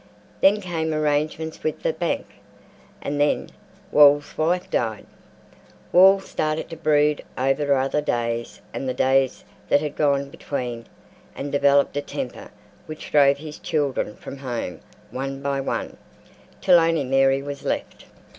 Then came arrangements with the bank. And then Wall's wife died. Wall started to brood over other days, and the days that had gone between, and developed a temper which drove his children from home one by one, till only Mary was left.